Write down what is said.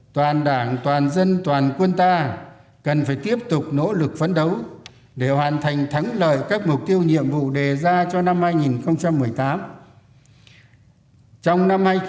tình hình trong nước quốc tế còn tiếp tục diễn biến phức tạp khó lường